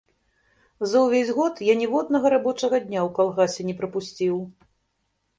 За ўвесь год я ніводнага рабочага дня ў калгасе не прапусціў.